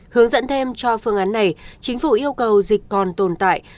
hướng dẫn thêm cho phương án này chính phủ yêu cầu dịch còn tồn tại